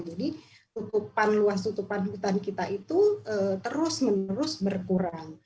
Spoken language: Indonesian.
tutupan luas tutupan hutan kita itu terus menerus berkurang